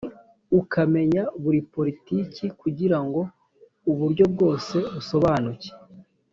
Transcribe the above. i ukumenya buri politiki kugira ngo uburyo bwose busobanuke